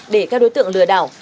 để các đối tượng lừa đảo